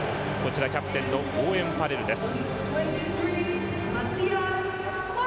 キャプテンのオーウェン・ファレルです。